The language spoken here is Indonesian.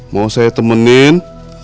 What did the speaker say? mau saya temenin